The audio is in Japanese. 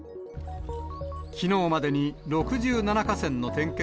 きのうまでに６７河川の点検